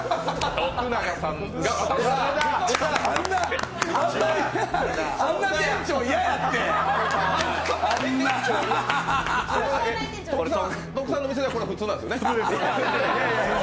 徳永さんの店ではこれが普通なんですよね？